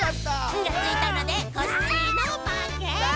「ん」がついたのでコッシーのまけ！